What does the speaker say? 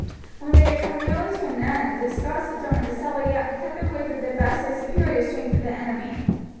When they had come nearly to an end the Scots determined to sally out and cut their way through the vastly superior strength of the enemy.